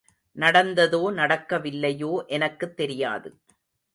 நடந்ததோ நடக்கவில்லையோ எனக்குத் தெரியாது.